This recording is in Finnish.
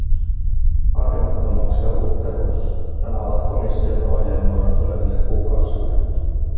Vaatimattomuus ja uutteruus: nämä ovat komission ohjenuora tuleville kuukausille.